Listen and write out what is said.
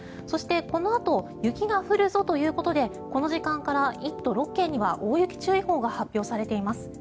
そして、このあと雪が降るぞということでこの時間から１都６県には大雪注意報が発表されています。